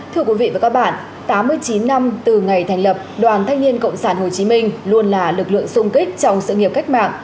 thưa quý vị và các bạn tám mươi chín năm từ ngày thành lập đoàn thanh niên cộng sản hồ chí minh luôn là lực lượng sung kích trong sự nghiệp cách mạng